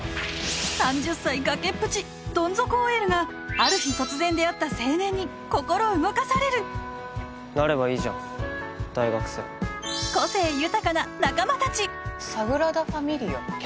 ３０歳崖っぷちドン底ＯＬがある日突然出会った青年に心動かされるなればいいじゃん大学生・サグラダファミリ家？